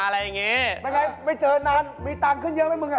มน่ะไงไม่เจอนานมีตังท์ขึ้นเยอะไหมมรึไง